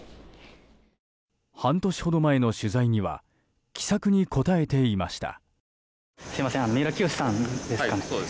半年ほど前の取材には気さくに答えていました。